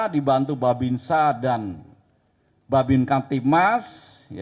dibantu babinsa dan babinkam timas